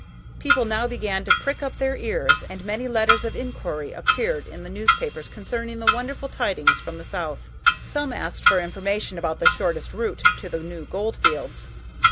People now began to prick up their ears, and many letters of inquiry appeared in the newspapers concerning the wonderful tidings from the south. Some asked for information about the shortest route to the new goldfields.